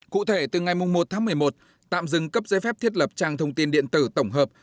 cụ thể từ ngày một tháng một mươi một tạm dừng cấp giấy phép thiết lập trang thông tin điện tử tổng hợp